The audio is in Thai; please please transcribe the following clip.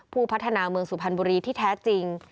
พัฒนาเมืองสุพรรณบุรีที่แท้จริง